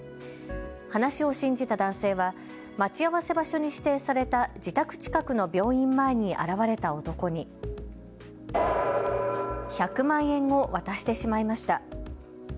話を信じた男性は待ち合わせ場所に指定された自宅近くの病院前に現れた男に１００万円を渡してしまいました。